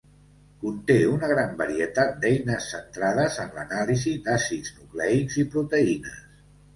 Conté una gran varietat d'eines centrades en l'anàlisi d'àcids nucleics i proteïnes.